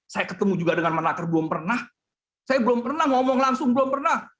saya ketemu juga dengan menaker belum pernah saya belum pernah ngomong langsung belum pernah